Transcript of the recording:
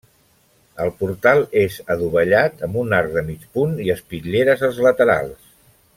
El portal és adovellat amb un arc de mig punt i espitlleres als laterals.